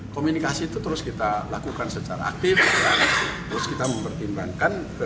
komunikasi itu terus kita lakukan secara aktif terus kita mempertimbangkan